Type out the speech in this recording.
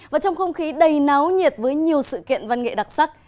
và trong không khí đầy náo nhiệt với nhiều sự kiện văn nghệ đặc sắc